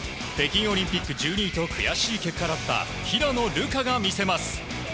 北京オリンピック１２位と悔しい結果だった平野流佳が見せます。